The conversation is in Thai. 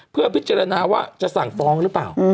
เพื่อพิจารณาว่าจะสั่งฟ้องหรือเปล่า